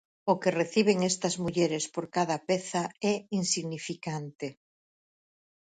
O que reciben estas mulleres por cada peza é insignificante.